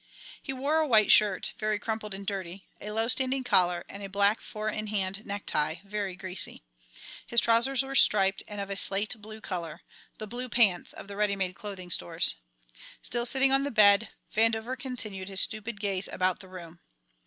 He wore a white shirt very crumpled and dirty, a low standing collar and a black four in hand necktie, very greasy. His trousers were striped and of a slate blue colour the "blue pants" of the ready made clothing stores. Still sitting on the bed, Vandover continued his stupid gaze about the room.